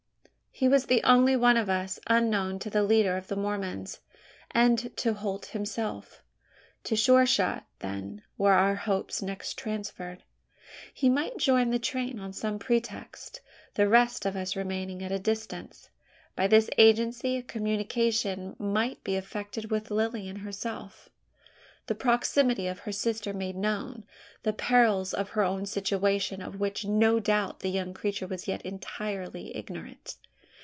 He was the only one of us unknown to the leader of the Mormons, and to Holt himself. To Sure shot, then, were our hopes next transferred. He might join the train on some pretext, the rest of us remaining at a distance? By this agency, a communication might be effected with Lilian herself; the proximity of her sister made known; the perils of her own situation of which no doubt the young creature was yet entirely ignorant.